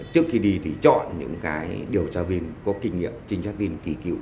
trước khi đi thì chọn những cái điều tra viên có kinh nghiệm trinh sát viên kỳ cựu